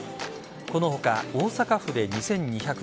この他、大阪府で２２５３人